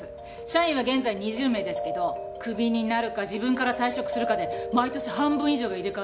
社員は現在２０名ですけどクビになるか自分から退職するかで毎年半分以上が入れ替わっているんです。